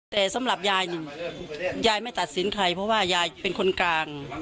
แต่สำหรับยายนี่ยายไม่ตัดสินใครเพราะว่ายายเป็นคนกลาง